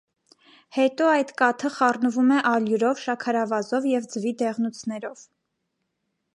Հետո այդ կաթը խառնվում է ալյուրով, շաքարավազով և ձվի դեղնուցներով։